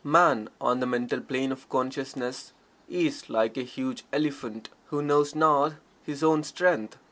Man on the Mental Plane of consciousness is like a huge elephant who knows not his own strength.